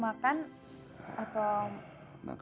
maaf kita ke bawah sakit pak